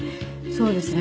そうですね。